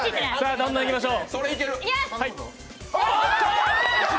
どんどんいきましょう。